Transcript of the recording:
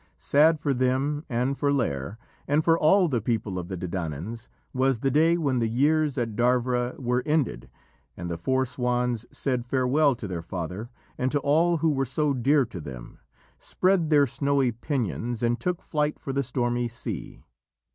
Sad for them and for Lîr, and for all the people of the Dedannans, was the day when the years at Darvra were ended and the four swans said farewell to their father and to all who were so dear to them, spread their snowy pinions, and took flight for the stormy sea.